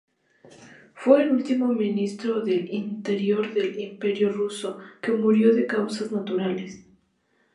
Fue el último ministro del Interior del Imperio ruso que murió de causas naturales.